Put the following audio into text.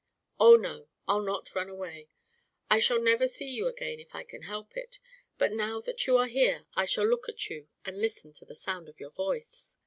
"Oh, no, I'll not run away! I shall never see you again if I can help it, but now that you are here I shall look at you and listen to the sound of your voice."